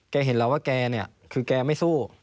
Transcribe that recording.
เห็นแล้วว่าแกเนี่ยคือแกไม่สู้